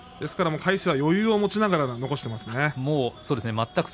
魁聖は余裕を持ちながら残していますね。